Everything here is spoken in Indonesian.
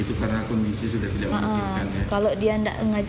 itu karena kondisi sudah tidak